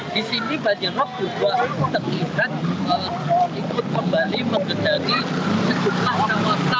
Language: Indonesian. di sini banjirop juga terkirat ingin kembali mengendangi sejumlah kawasan timan warga